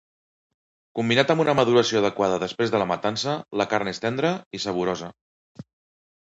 Combinat amb una maduració adequada després de la matança, la carn és tendra i saborosa.